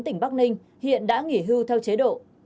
tỉnh bắc ninh hiện đã nghỉ hưu theo chế độ